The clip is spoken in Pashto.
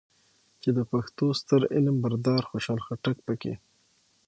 چې د پښتو ستر علم بردار خوشحال خټک پکې